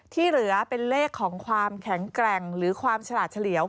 ที่เหลือเป็นเลขของความแข็งแกร่งหรือความฉลาดเฉลี่ยว